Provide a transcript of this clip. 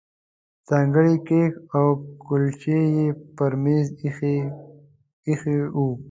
ځانګړي کیک او کولچې یې پر مېز ایښي وو.